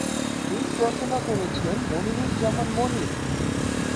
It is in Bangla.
গীত রচনা করেছেন মনিরুজ্জামান মনির।